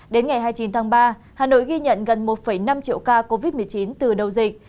đến ngày hai mươi chín tháng ba hà nội ghi nhận gần một năm triệu ca covid một mươi chín từ đầu dịch